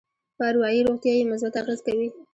په اروایي روغتيا يې مثبت اغېز کوي.